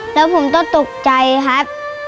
แล้วผมต้องตกใจครับ